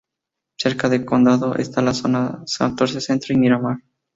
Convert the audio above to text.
Cerca de Condado está la zona de Santurce Centro y Miramar.